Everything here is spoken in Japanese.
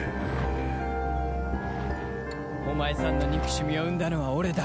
お前さんの憎しみを生んだのは俺だ。